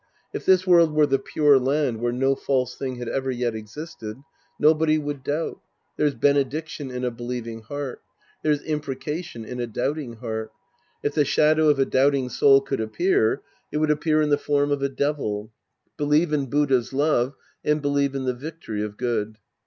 If this world were the Pure Land where no false thing had ever yet existed, nobody would doubt. There's benediction in a believing heart. There's imprecation in a doubting heart. If the shadow of a doubting soul could appear, it would appear in the form of a devil. Believe in Buddha's love and believe in the victory of good.